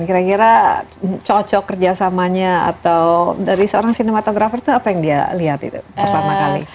kira kira cocok kerjasamanya atau dari seorang sinematografer itu apa yang dia lihat itu pertama kali